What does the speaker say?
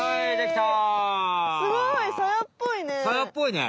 すごい！サヤっぽいね！